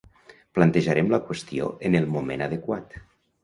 Plantejarem la qüestió en el moment adequat.